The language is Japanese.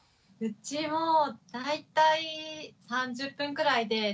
うちも大体３０分ぐらいで。